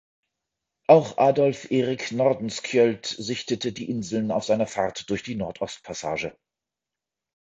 Auch Adolf Erik Nordenskiöld sichtete die Inseln auf seiner Fahrt durch die Nordostpassage.